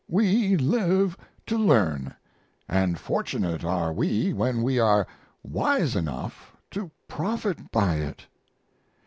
We live to learn, and fortunate are we when we are wise enough to profit by it.